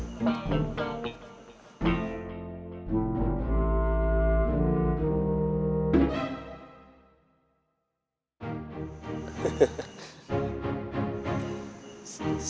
tidak ada pilihan